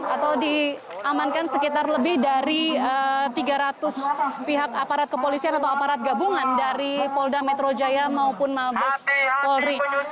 atau diamankan sekitar lebih dari tiga ratus pihak aparat kepolisian atau aparat gabungan dari polda metro jaya maupun mabes polri